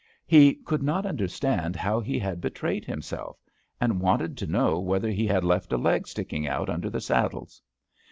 He could not understand how he had be trayed himself and wanted to know whether he had left a leg sticking out under the saddles.